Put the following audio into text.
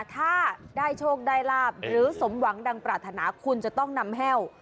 ถ้าได้โชคได้ลาบหรือสมหวังดังปรารถนาคุณจะต้องนำแห้ว